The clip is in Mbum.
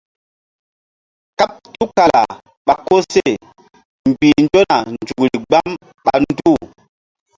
Kàɓ tul kala ɓa koseh mbih nzona nzukri gbam ƴo nduh.